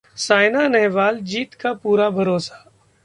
सायना नेहवाल: जीत का पूरा भरोसा